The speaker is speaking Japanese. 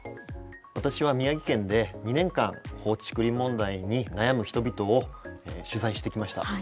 私は宮城県で２年間放置竹林問題に悩む人々を取材してきました。